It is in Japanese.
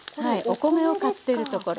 お米を買ってるところ。